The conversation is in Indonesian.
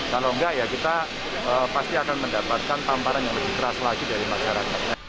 kalau enggak ya kita pasti akan mendapatkan tamparan yang lebih keras lagi dari masyarakat